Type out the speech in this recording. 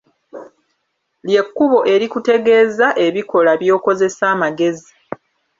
Lye kkubo erikutegeeza ebikolwa by'okozesa amagezi.